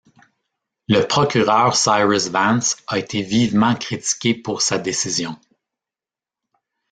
Le procureur Cyrus Vance a été vivement critiqué pour sa décision.